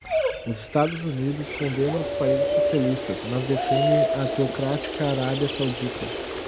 Os Estados Unidos condenam os países socialistas mas defendem a teocrática Arábia Saudita